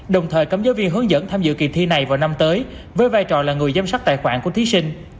đồng thời cấm giáo viên hướng dẫn tham dự kỳ thi này vào năm tới với vai trò là người giám sát tài khoản của thí sinh